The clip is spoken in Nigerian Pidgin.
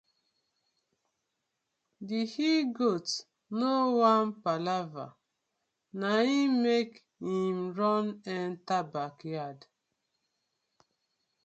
Di he-goat no wan palava na im mek him run enter bakyard.